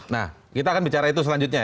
nah kita akan bicara itu selanjutnya ya